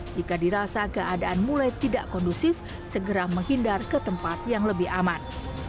jika dirasa keadaan mulai tidak kondusif segera menghindar ke tempat yang lebih aman